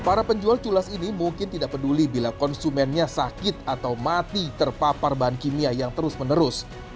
para penjual culas ini mungkin tidak peduli bila konsumennya sakit atau mati terpapar bahan kimia yang terus menerus